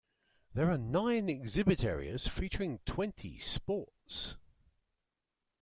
There are nine exhibit areas featuring twenty sports.